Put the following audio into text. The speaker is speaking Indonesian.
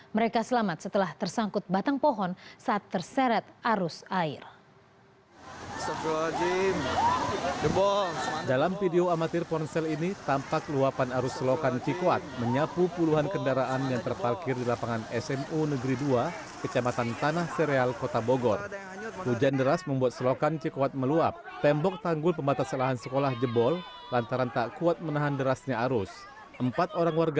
mereka selamat setelah tersangkut batang pohon saat terseret arus air